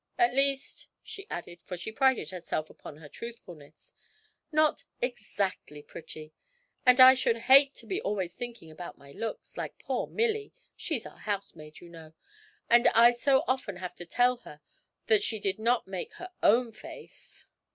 At least,' she added, for she prided herself upon her truthfulness, 'not exactly pretty. And I should hate to be always thinking about my looks, like poor Milly she's our housemaid, you know and I so often have to tell her that she did not make her own face.'